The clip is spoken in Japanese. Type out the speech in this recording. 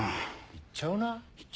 いっちゃうな。